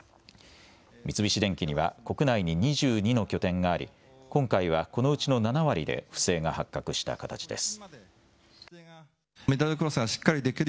三菱電機には国内に２２の拠点があり今回は、このうちの７割で不正が発覚した形です。